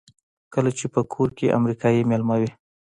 کله چې په کور کې امریکایی مېلمه وي.